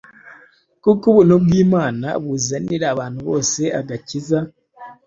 Kuko ubuntu bw’Imana, buzanira abantu bose agakiza,